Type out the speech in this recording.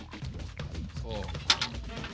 そう。